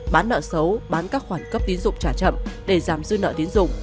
bán nợ xấu bán các khoản cấp tín dụng trả chậm để giảm dư nợ tiến dụng